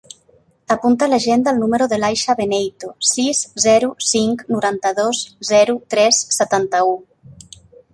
Apunta a l'agenda el número de l'Aicha Beneyto: sis, zero, cinc, noranta-dos, zero, tres, setanta-u.